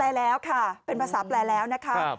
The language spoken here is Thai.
แล้วค่ะเป็นภาษาแปลแล้วนะคะ